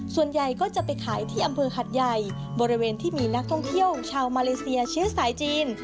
ส่วนใหญ่ก็จะไปขายที่อำเภอหัดใหญ่บริเวณที่มีนักท่องเที่ยวชาวมาเลเซียเชื้อสายจีน